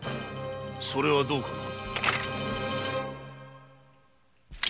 それはどうかな。